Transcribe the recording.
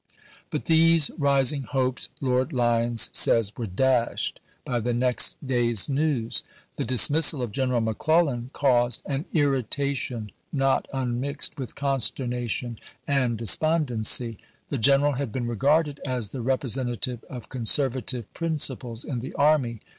But these rising hopes, Lord Lyons says, *' were dashed by the next day's news." The dis missal of General McClellan caused " an irritation not unmixed with consternation and despondency. The general had been regarded as the representa tive of Conservative principles in the army.